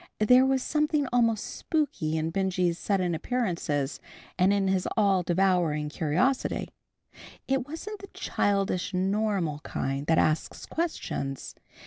There was something almost spooky in Benjy's sudden appearances, and in his all devouring curiosity. It wasn't the childish normal kind that asks questions.